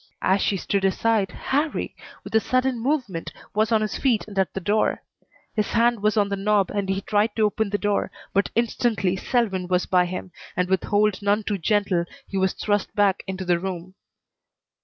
As she stood aside Harrie, with a sudden movement, was on his feet and at the door. His hand was on the knob and he tried to open the door, but instantly Selwyn was by him, and with hold none too gentle he was thrust back into the room.